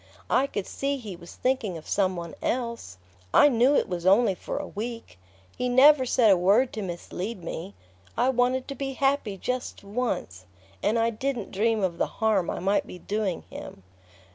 I could see he was thinking of some one else. I knew it was only for a week...He never said a word to mislead me...I wanted to be happy just once and I didn't dream of the harm I might be doing him!"